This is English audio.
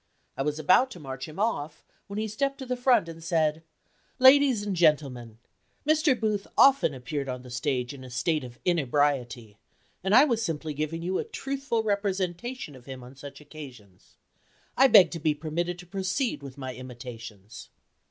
I was about to march him off, when he stepped to the front, and said: "Ladies and gentlemen: Mr. Booth often appeared on the stage in a state of inebriety, and I was simply giving you a truthful representation of him on such occasions. I beg to be permitted to proceed with my imitations."